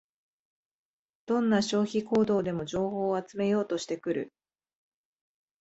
どんな消費行動でも情報を集めようとしてくる